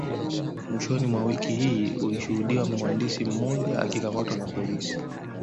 Mwishoni mwa wiki ilishuhudiwa mwandishi mmoja akikamatwa na polisi